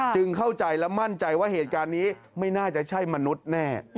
เข้าใจและมั่นใจว่าเหตุการณ์นี้ไม่น่าจะใช่มนุษย์แน่